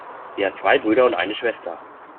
Sie hat zwei Brüder und eine Schwester.